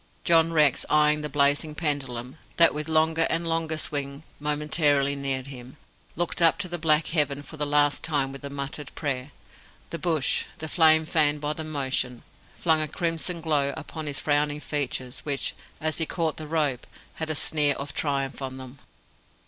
John Rex, eyeing the blazing pendulum, that with longer and longer swing momentarily neared him, looked up to the black heaven for the last time with a muttered prayer. The bush the flame fanned by the motion flung a crimson glow upon his frowning features which, as he caught the rope, had a sneer of triumph on them.